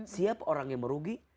siapa orang yang merugi